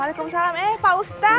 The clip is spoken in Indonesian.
waalaikumsalam eh pak ustadz